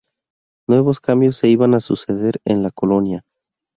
Nuevos cambios se iban a suceder en la colonia.